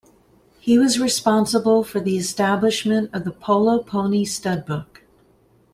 He was responsible for the establishment of the Polo Pony Stud book.